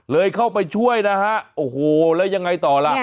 เข้าไปช่วยนะฮะโอ้โหแล้วยังไงต่อล่ะ